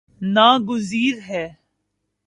نا گزیر ہے